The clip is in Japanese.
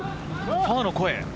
ファーの声。